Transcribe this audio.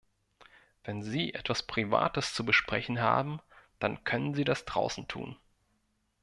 Wenn Sie etwas Privates zu besprechen haben, dann können Sie das draußen tun.